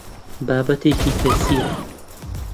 بابەتێکی کەسییە.